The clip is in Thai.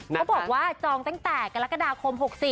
เขาบอกว่าจองตั้งแต่กรกฎาคม๖๔